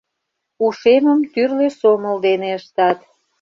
Ушемым тӱрлӧ сомыл дене ыштат.